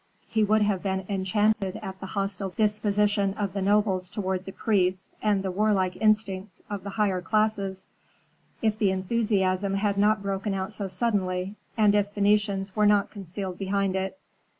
He would have been enchanted at the hostile disposition of the nobles toward the priests, and the warlike instincts of the higher classes, if the enthusiasm had not broken out so suddenly, and if Phœnicians were not concealed behind it.